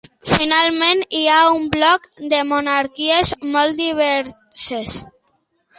Finalment, hi ha un bloc de monarquies molt diverses.